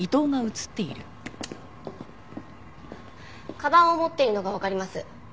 鞄を持っているのがわかります。